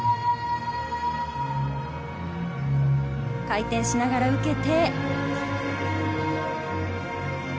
回転しながら受けて。